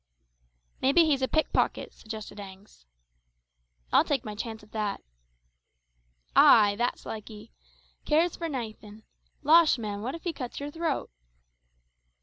"Maybe he's a pickpocket," suggested Agnes. "I'll take my chance of that." "Ay! that's like 'ee. Cares for naethin'. Losh, man, what if he cuts yer throat?"